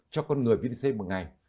cho con người vitamin c một ngày